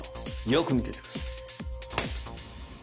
よく見てて下さい。